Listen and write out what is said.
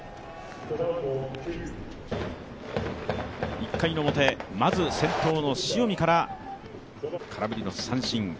１回表、まず先頭の塩見から空振りの三振。